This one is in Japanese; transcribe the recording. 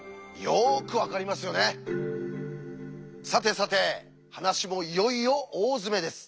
さてさて話もいよいよ大詰めです。